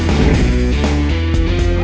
udah bocan mbak